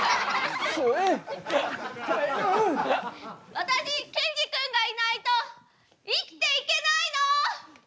私ケンジ君がいないと生きていけないの！